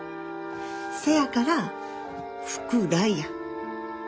せやから福来や。